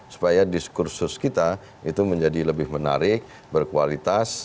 supaya diskursus kita itu menjadi lebih menarik berkualitas